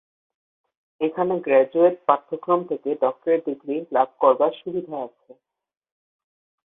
এখানে গ্রাজুয়েট পাঠ্যক্রম থেকে ডক্টরেট ডিগ্রী লাভ করবার সুবিধা আছে।